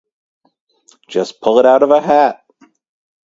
Just pull it out of a hat.